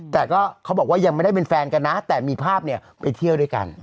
แต่ก็เขาบอกว่ายังไม่ได้เป็นแฟนกันนะแต่มีภาพเนี่ยไปเที่ยวด้วยกัน